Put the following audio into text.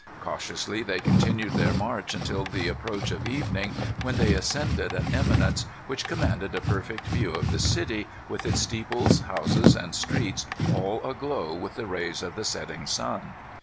Cautiously they continued their march until the approach of evening when they ascended an eminence which commanded a perfect view of the city, with its steeples, houses, and streets all aglow with the rays of the setting sun.